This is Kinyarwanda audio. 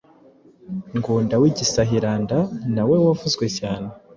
Ngunda w’igisahiranda nawe wavuzwe cyane